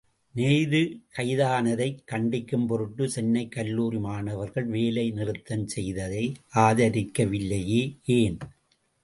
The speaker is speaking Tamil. நேரு கைதானதைக் கண்டிக்கும் பொருட்டு, சென்னைக் கல்லூரி மாணவர்கள் வேலை நிறுத்தஞ் செய்ததை, ஆதரிக்க வில்லையே, ஏன்?.